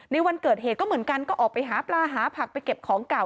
วันเกิดเหตุก็เหมือนกันก็ออกไปหาปลาหาผักไปเก็บของเก่า